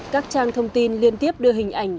các trang thông tin liên tiếp đưa hình ảnh